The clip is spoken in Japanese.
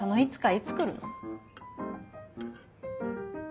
いつくるの？